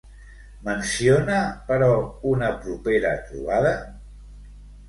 Menciona, però, una propera trobada?